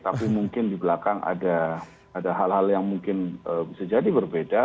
tapi mungkin di belakang ada hal hal yang mungkin bisa jadi berbeda